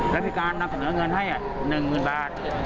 แล้วมีการนำเสนอเงินให้๑๐๐๐บาท